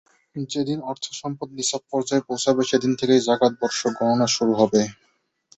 যেদিন অর্থ-সম্পদ নিসাব পর্যায়ে পৌঁছাবে, সেদিন থেকেই জাকাত বর্ষ গণনা শুরু হবে।